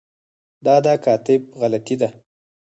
دا د کاتب غلطي ده.